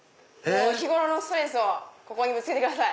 日頃のストレスをここにぶつけてください。